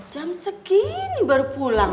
jam segini baru pulang